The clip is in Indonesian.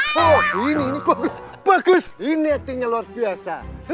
ayo hidupin lagi kerannya atau nanti ubay marah ya ini penting terus gimana ya